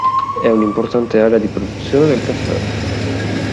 È un'importante area di produzione del caffè.